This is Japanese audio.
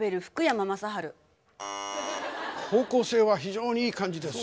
方向性は非常にいい感じです。